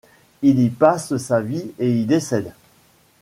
Il y passe sa vie et y décède.